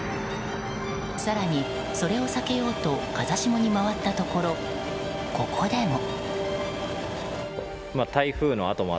更にそれを避けようと風下に回ったところここでも。